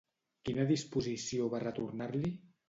Quina disposició va retornar-li?